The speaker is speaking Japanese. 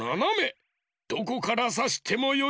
どこからさしてもよいぞ。